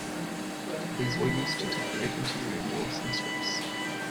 These were used to decorate interior walls, in strips.